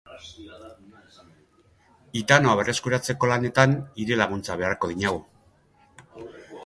Hitanoa berreskuratzeko lanetan hire laguntza beharko dinagu.